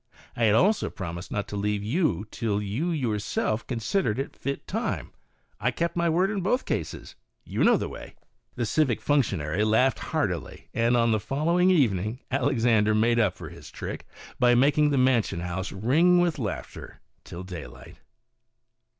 I had also promised not to leave you till yourself considered it fit time. I kept my word in both cases — you know the way." The civic functionary laughed heartily, and on the following evening Alexandre made up for his trick by making the Mansion House ring with laughter till daylight.